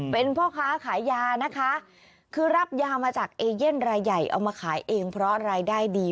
เป็นพ่อค้าขายยานะคะคือรับยามาจากเอเย่นรายใหญ่เอามาขายเองเพราะรายได้ดี